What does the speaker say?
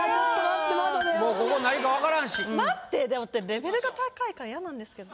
レベルが高いから嫌なんですけど。